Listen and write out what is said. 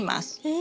え。